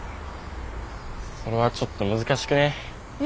それはちょっと難しくねえ？